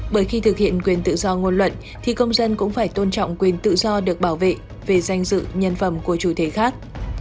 bởi khi thực hiện quyền tự do ngôn luận thì công dân cũng phải tôn trọng quyền tự do được bảo vệ về danh dự nhân phẩm của chủ thể khác